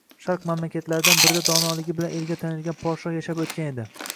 Sharq mamlakatlaridan birida donoligi bilan elga tanilgan podsho yashab o`tgan edi